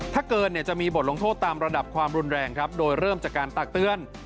ถ้าเกินจะมีบทลงโทษตามระดับความรุนแรงครับโดยเริ่มจากการตักเตือน